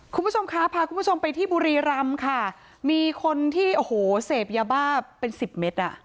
คุณผู้ชมคะพาคุณผู้ชมไปที่บุรีรำค่ะมีคนที่โอ้โหเสพยาบ้าเป็นสิบเมตรอ่ะ